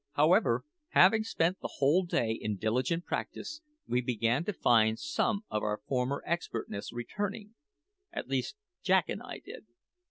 However, after having spent the whole day in diligent practice, we began to find some of our former expertness returning, at least Jack and I did.